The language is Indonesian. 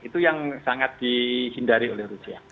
itu yang sangat dihindari oleh rusia